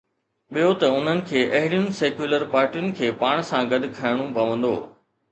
ٻيو ته انهن کي اهڙين سيڪيولر پارٽين کي پاڻ سان گڏ کڻڻو پوندو.